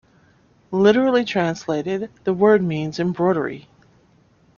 Literally translated, the word means embroidery.